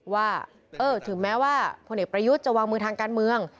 ว่าถึงแม้ว่าพลเอกประยุทธ์จะวางมือทางการเมือง